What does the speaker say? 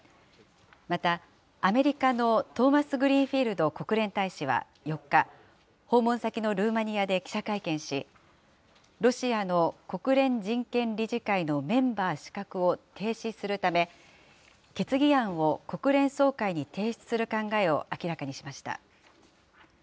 また、アメリカのトーマスグリーンフィールド国連大使は４日、訪問先のルーマニアで記者会見し、ロシアの国連人権理事会のメンバー資格を停止するため、決議案を国連総会に提出する考えを明らかにしました。